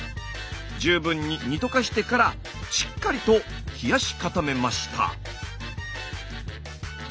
十分に煮溶かしてからしっかりと冷やし固めました。